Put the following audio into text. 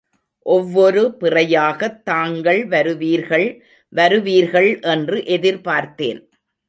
ஒவ்வொரு பிறையாகத் தாங்கள் வருவீர்கள் வருவீர்கள் என்று எதிர்பார்த்தேன்.